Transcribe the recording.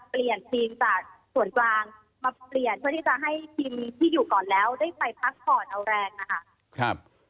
เปลี่ยนทีมจากส่วนกลางมาเปลี่ยนเพื่อที่จะให้ทีมที่อยู่ก่อนแล้วได้ไปพักผ่อนเอาแรงนะคะ